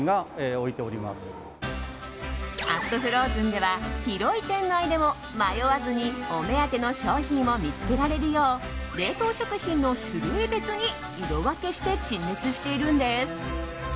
＠ＦＲＯＺＥＮでは広い店内でも迷わずにお目当ての商品を見つけられるよう冷凍食品の種類別に色分けして陳列しているんです。